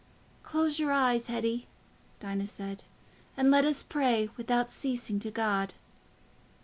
"Close your eyes, Hetty," Dinah said, "and let us pray without ceasing to God."